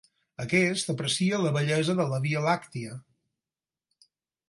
Aquest aprecia la bellesa de la Via Làctia.